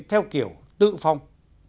theo kiểu tự phong